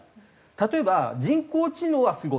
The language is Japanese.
例えば人工知能はすごい。